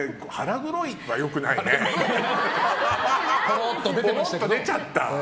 ぽろっと出ちゃった。